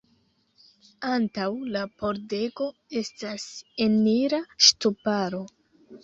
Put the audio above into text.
Antaŭ la pordego estas enira ŝtuparo.